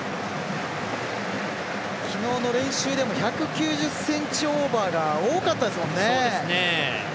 昨日の練習でも１９０ｃｍオーバーが多かったですもんね。